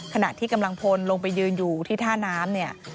ขณะที่กำลังพลลงไปยืนอยู่ที่ท่าน้ำเนี่ย